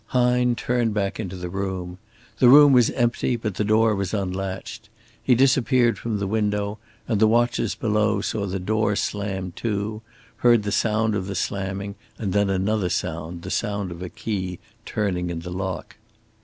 Hine turned back into the room. The room was empty, but the door was unlatched. He disappeared from the window, and the watchers below saw the door slammed to, heard the sound of the slamming and then another sound, the sound of a key turning in the lock.